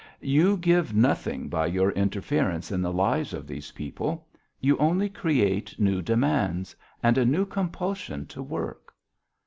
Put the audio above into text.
"You give nothing by your interference in the lives of these people. You only create new demands, and a new compulsion to work."